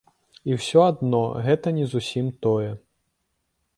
І ўсё адно гэта не зусім тое.